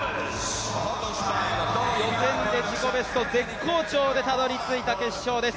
予選で自己ベスト、絶好調でたどりついた決勝です。